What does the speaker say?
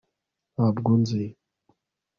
ntabwo unzi